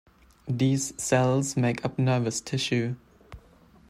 These cells make up nervous tissue.